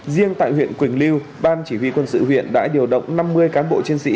riêng tại huyện quỳnh lưu ban chỉ huy quân sự huyện đã điều động năm mươi cán bộ chiến sĩ